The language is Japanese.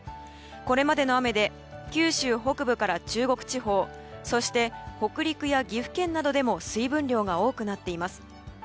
これまでの雨で九州北部から中国地方そして北陸や岐阜県などでも水分量が多くなっています。